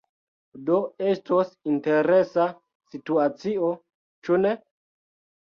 Do, estos interesa situacio, ĉu ne?